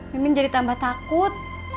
mimin jadi tambah takut